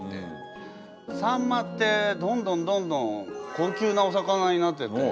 さんまってどんどんどんどん高級なお魚になってて。